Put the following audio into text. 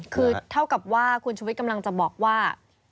คือเท่ากับว่าคุณชุวิตกำลังจะบอกว่า